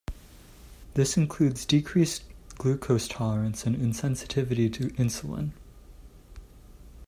This includes decreased glucose tolerance and insensitivity to insulin.